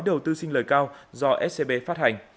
đầu tư xin lời cao do scb phát hành